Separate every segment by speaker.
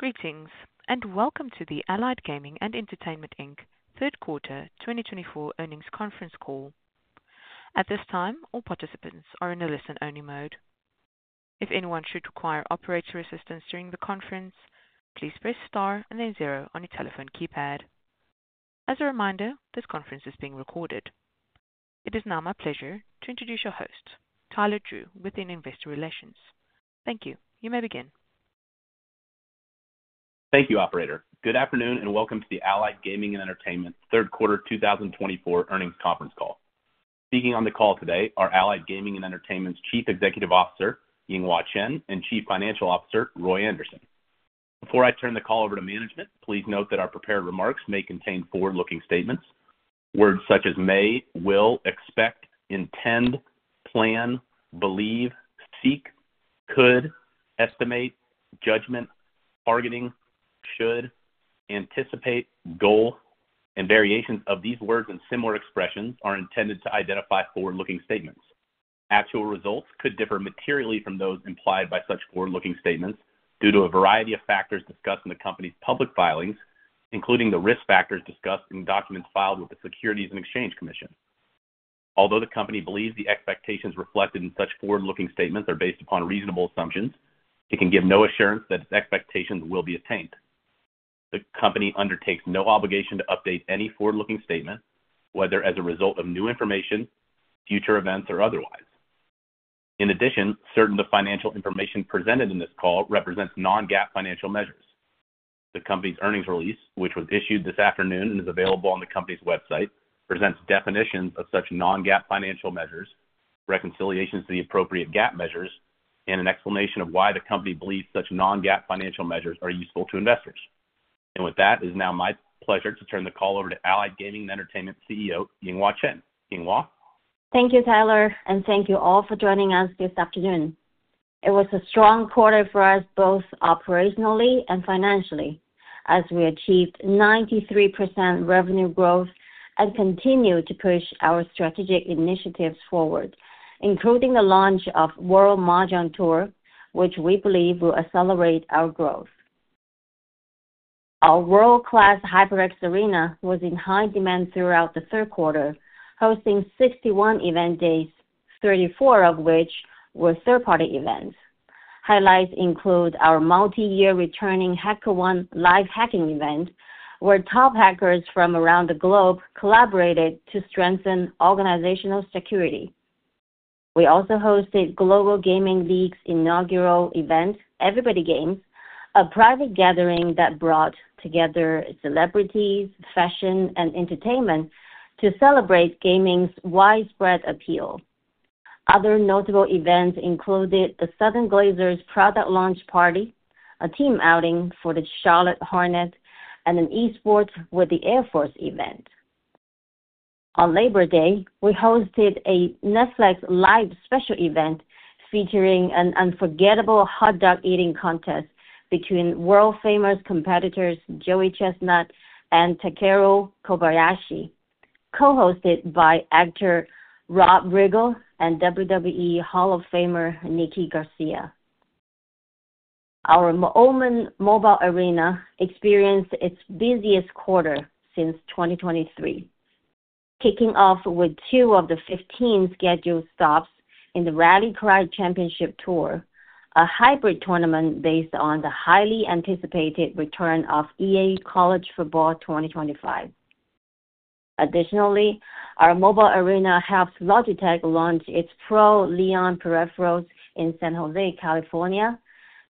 Speaker 1: Greetings, and welcome to the Allied Gaming & Entertainment Inc. Q3 2024 earnings conference call. At this time, all participants are in a listen-only mode. If anyone should require operator assistance during the conference, please press star and then zero on your telephone keypad. As a reminder, this conference is being recorded. It is now my pleasure to introduce your host, Tyler Drew, within Investor Relations. Thank you. You may begin.
Speaker 2: Thank you, Operator. Good afternoon and welcome to the Allied Gaming & Entertainment Q3 2024 earnings conference call. Speaking on the call today are Allied Gaming & Entertainment's Chief Executive Officer, Yinghua Chen, and Chief Financial Officer, Roy Anderson. Before I turn the call over to management, please note that our prepared remarks may contain forward-looking statements. Words such as may, will, expect, intend, plan, believe, seek, could, estimate, judgment, targeting, should, anticipate, goal, and variations of these words and similar expressions are intended to identify forward-looking statements. Actual results could differ materially from those implied by such forward-looking statements due to a variety of factors discussed in the company's public filings, including the risk factors discussed in documents filed with the Securities and Exchange Commission. Although the company believes the expectations reflected in such forward-looking statements are based upon reasonable assumptions, it can give no assurance that its expectations will be attained. The company undertakes no obligation to update any forward-looking statement, whether as a result of new information, future events, or otherwise. In addition, certain financial information presented in this call represents non-GAAP financial measures. The company's earnings release, which was issued this afternoon and is available on the company's website, presents definitions of such non-GAAP financial measures, reconciliations to the appropriate GAAP measures, and an explanation of why the company believes such non-GAAP financial measures are useful to investors. And with that, it is now my pleasure to turn the call over to Allied Gaming & Entertainment CEO, Yinghua Chen. Yinghua.
Speaker 3: Thank you, Tyler, and thank you all for joining us this afternoon. It was a strong quarter for us, both operationally and financially, as we achieved 93% revenue growth and continued to push our strategic initiatives forward, including the launch of World Mahjong Tour, which we believe will accelerate our growth. Our world-class HyperX Arena was in high demand throughout the Q3, hosting 61 event days, 34 of which were third-party events. Highlights include our multi-year returning HackerOne live hacking event, where top hackers from around the globe collaborated to strengthen organizational security. We also hosted Global Gaming League's inaugural event, Everybody Games, a private gathering that brought together celebrities, fashion, and entertainment to celebrate gaming's widespread appeal. Other notable events included the Southern Glazer's product launch party, a team outing for the Charlotte Hornets, and an esports with the Air Force event. On Labor Day, we hosted a Netflix Live special event featuring an unforgettable hot dog eating contest between world-famous competitors Joey Chestnut and Takeru Kobayashi, co-hosted by actor Rob Riggle and WWE Hall of Famer Nikki Garcia. Our OMEN Mobile Arena experienced its busiest quarter since 2023, kicking off with two of the 15 scheduled stops in the Rally Cry Championship Tour, a hybrid tournament based on the highly anticipated return of EA SPORTS College Football 25. Additionally, our Mobile Arena helped Logitech launch its Pro Leon peripherals in San Jose, California,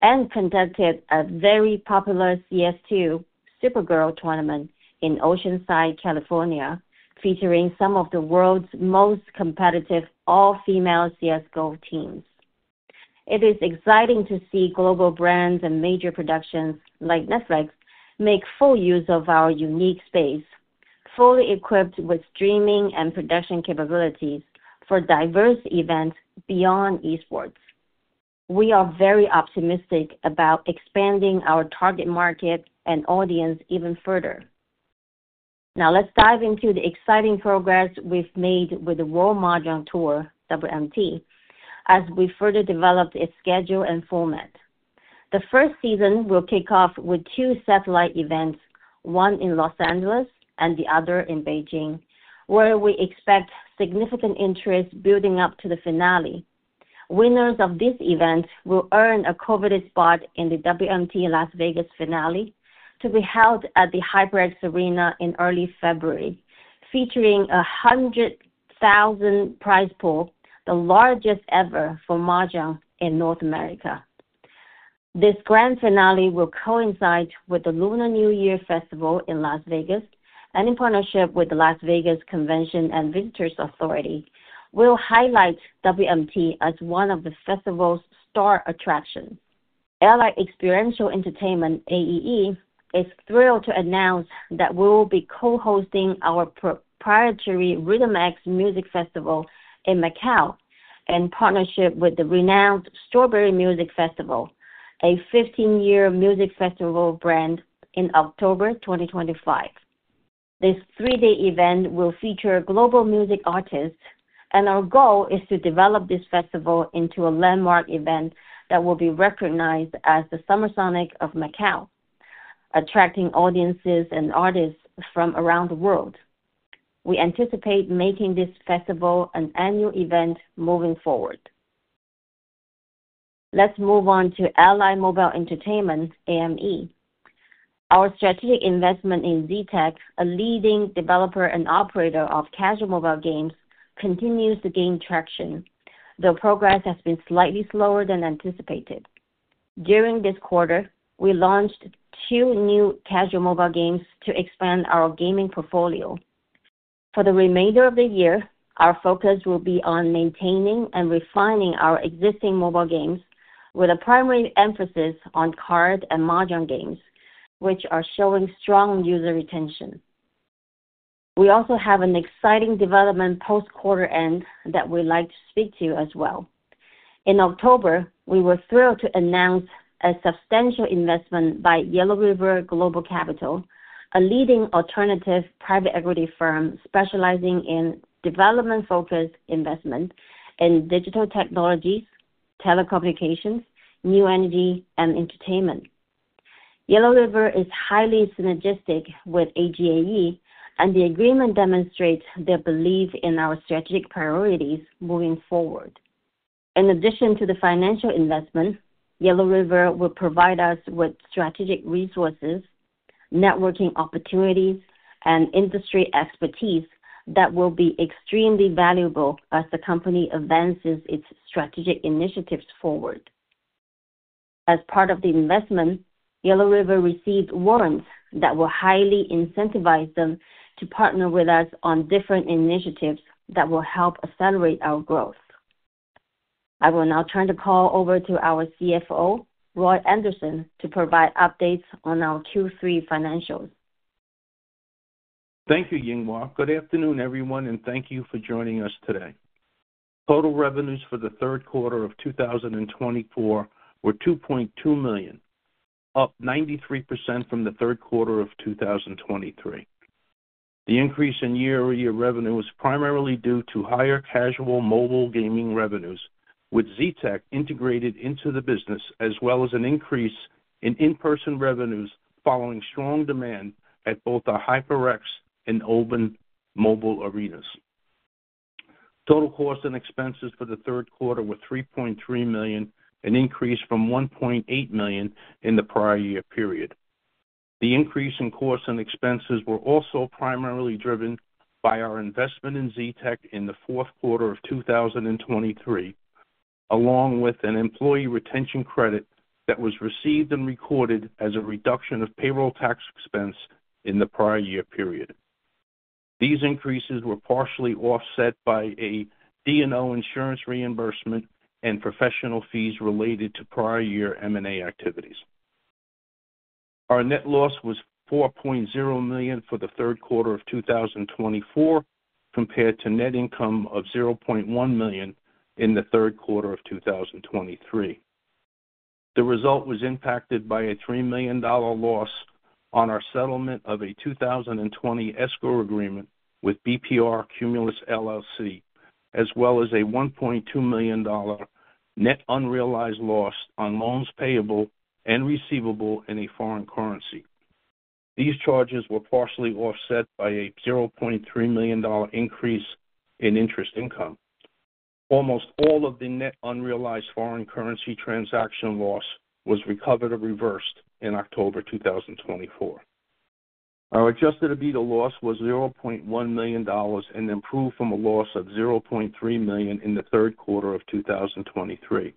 Speaker 3: and conducted a very popular CS2 Super Girl Gamer Pro in Oceanside, California, featuring some of the world's most competitive all-female CSGO teams. It is exciting to see global brands and major productions like Netflix make full use of our unique space, fully equipped with streaming and production capabilities for diverse events beyond esports. We are very optimistic about expanding our target market and audience even further. Now, let's dive into the exciting progress we've made with the World Mahjong Tour, WMT, as we further develop its schedule and format. The first season will kick off with two satellite events, one in Los Angeles and the other in Beijing, where we expect significant interest building up to the finale. Winners of this event will earn a coveted spot in the WMT Las Vegas finale to be held at the HyperX Arena in early February, featuring a $100,000 prize pool, the largest ever for mahjong in North America. This grand finale will coincide with the Lunar New Year Festival in Las Vegas, and in partnership with the Las Vegas Convention and Visitors Authority, we'll highlight WMT as one of the festival's star attractions. Allied Experiential Entertainment, AEE, is thrilled to announce that we will be co-hosting our proprietary RhythmX Music Festival in Macau in partnership with the renowned Strawberry Music Festival, a 15-year music festival brand. In October 2025, this three-day event will feature global music artists, and our goal is to develop this festival into a landmark event that will be recognized as the Summer Sonic of Macau, attracting audiences and artists from around the world. We anticipate making this festival an annual event moving forward. Let's move on to Allied Mobile Entertainment, AME. Our strategic investment in ZTAC, a leading developer and operator of casual mobile games, continues to gain traction, though progress has been slightly slower than anticipated. During this quarter, we launched two new casual mobile games to expand our gaming portfolio. For the remainder of the year, our focus will be on maintaining and refining our existing mobile games, with a primary emphasis on card and mahjong games, which are showing strong user retention. We also have an exciting development post-quarter end that we'd like to speak to as well. In October, we were thrilled to announce a substantial investment by Yellow River Global Capital, a leading alternative private equity firm specializing in development-focused investment in digital technologies, telecommunications, new energy, and entertainment. Yellow River is highly synergistic with AGAE, and the agreement demonstrates their belief in our strategic priorities moving forward. In addition to the financial investment, Yellow River will provide us with strategic resources, networking opportunities, and industry expertise that will be extremely valuable as the company advances its strategic initiatives forward. As part of the investment, Yellow River received warrants that will highly incentivize them to partner with us on different initiatives that will help accelerate our growth. I will now turn the call over to our CFO, Roy Anderson, to provide updates on our Q3 financials.
Speaker 4: Thank you, Yinghua. Good afternoon, everyone, and thank you for joining us today. Total revenues for the Q3 of 2024 were $2.2 million, up 93% from the Q3 of 2023. The increase in year-over-year revenue was primarily due to higher casual mobile gaming revenues, with ZTAC integrated into the business, as well as an increase in in-person revenues following strong demand at both the HyperX and OMEN mobile arenas. Total costs and expenses for the Q3 were $3.3 million, an increase from $1.8 million in the prior year period. The increase in costs and expenses was also primarily driven by our investment in ZTAC in the Q4 of 2023, along with an employee retention credit that was received and recorded as a reduction of payroll tax expense in the prior year period. These increases were partially offset by a D&O insurance reimbursement and professional fees related to prior year M&A activities. Our net loss was $4.0 million for the Q3 of 2024, compared to net income of $0.1 million in the Q3 of 2023. The result was impacted by a $3 million loss on our settlement of a 2020 escrow agreement with BPR Cumulus LLC, as well as a $1.2 million net unrealized loss on loans payable and receivable in a foreign currency. These charges were partially offset by a $0.3 million increase in interest income. Almost all of the net unrealized foreign currency transaction loss was recovered or reversed in October 2024. Our adjusted EBITDA loss was $0.1 million and improved from a loss of $0.3 million in the Q3 of 2023.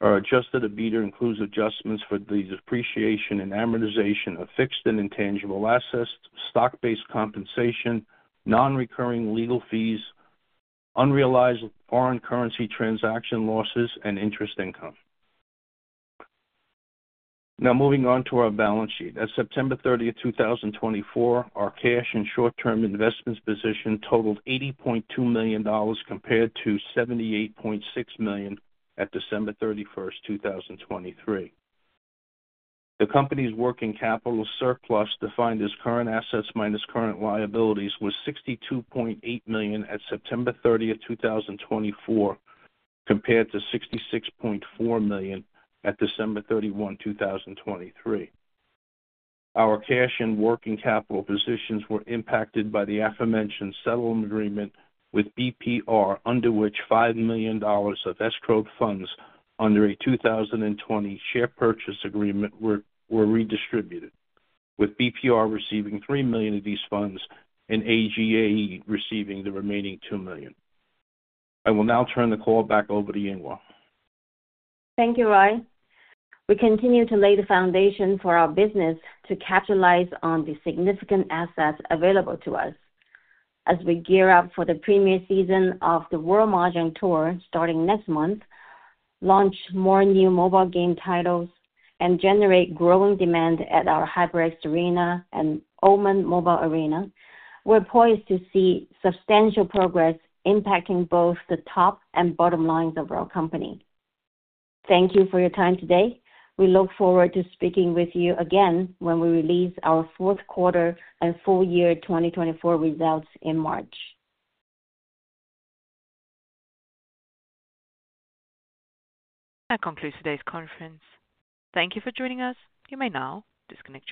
Speaker 4: Our adjusted EBITDA includes adjustments for the depreciation and amortization of fixed and intangible assets, stock-based compensation, non-recurring legal fees, unrealized foreign currency transaction losses, and interest income. Now, moving on to our balance sheet. As of September 30, 2024, our cash and short-term investments position totaled $80.2 million compared to $78.6 million at December 31, 2023. The company's working capital surplus, defined as current assets minus current liabilities, was $62.8 million at September 30, 2024, compared to $66.4 million at December 31, 2023. Our cash and working capital positions were impacted by the aforementioned settlement agreement with BPR, under which $5 million of escrowed funds under a 2020 share purchase agreement were redistributed, with BPR receiving $3 million of these funds and AGAE receiving the remaining $2 million. I will now turn the call back over to Yinghua.
Speaker 3: Thank you, Roy. We continue to lay the foundation for our business to capitalize on the significant assets available to us. As we gear up for the premier season of the World Mahjong Tour starting next month, launch more new mobile game titles, and generate growing demand at our HyperX Arena and OMEN Mobile Arena, we're poised to see substantial progress impacting both the top and bottom lines of our company. Thank you for your time today. We look forward to speaking with you again when we release our Q4 and full year 2024 results in March.
Speaker 1: That concludes today's conference. Thank you for joining us. You may now disconnect.